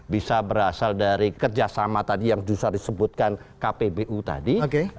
bisa berasal dari kerjasama tadi yang justru disebutkan kpbu tadi